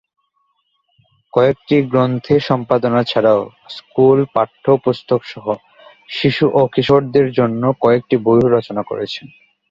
কয়েকটি গ্রন্থে' র সম্পাদনা ছাড়াও স্কুল পাঠ্য পুস্তক সহ শিশু ও কিশোরদের জন্য কয়েকটি বই রচনা করেছেন।